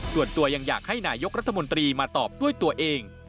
ส่วนตัวยังอยากให้นายกรัฐมนตรีมาตอบด้วยตัวเอง